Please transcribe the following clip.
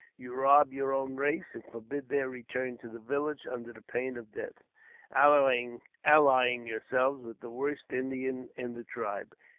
You rob your own race, and forbid their return to the village under pain of death, allying yourselves with the worst Indian in the tribe.